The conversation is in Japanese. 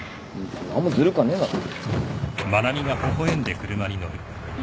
何もずるくはねえだろ。